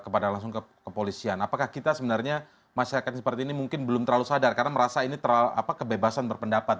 bukan pada akhirnya mengintimidasi mereka